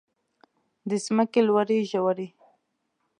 د ځمکې لوړې ژورې.